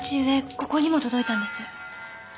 ここにも届いたんです。